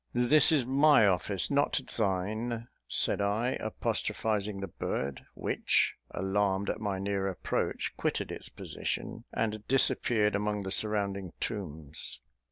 "This is my office, not thine," said I, apostrophising the bird, which, alarmed at my near approach, quitted its position, and disappeared among the surrounding tombs.